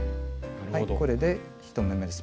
これで１目めです。